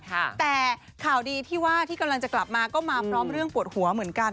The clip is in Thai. แต่ข่าวดีที่ว่าที่กำลังจะกลับมาก็มาพร้อมเรื่องปวดหัวเหมือนกัน